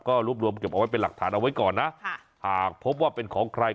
ก็รวบรวมเก็บเอาไว้เป็นหลักฐานเอาไว้ก่อนนะหากพบว่าเป็นของใคร